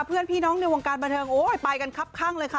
เพื่อนพี่น้องในวงการบันเทิงโอ้ยไปกันครับข้างเลยค่ะ